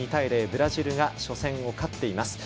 ブラジルが初戦を勝っています。